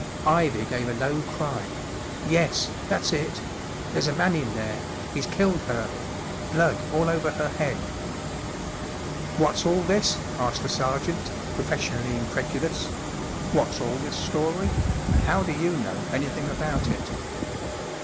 Ivy gave a low cry : 44 Yes—that's it— there's a man in there—he’s killed her— blood all over her head." 44 What's all this ?" asked the sergeant, professionally incredulous. 44 What's all this story ? And how do you know anything about it